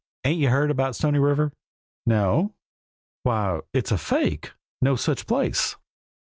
Ain't you heard about Stony River?" "No!" "Why, it's a fake no such place."